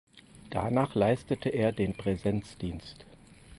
Danach leistete er den Präsenzdienst.